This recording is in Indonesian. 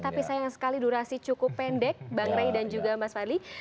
tapi sayang sekali durasi cukup pendek bang rey dan juga mas fadli